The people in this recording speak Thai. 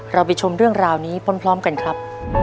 เราไปชมเรื่องราวนี้พร้อมกันครับ